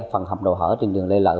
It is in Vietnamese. phần hầm đầu hở trên đường lê lợi